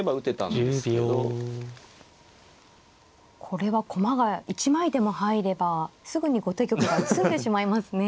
これは駒が１枚でも入ればすぐに後手玉が詰んでしまいますね。